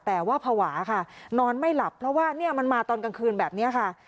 แต่ว่าภาวะค่ะนอนไม่หลับเพราะว่าเนี่ยมันมาตอนกลางคืนแบบนี้ค่ะ